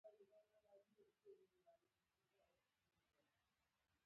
تیمورشاه په یوولس سوه شل هجري لمریز کال کې زېږېدلی و.